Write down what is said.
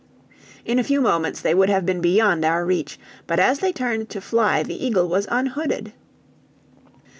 In a few moments they would have been beyond our reach, but as they turned to fly the eagle was unhooded.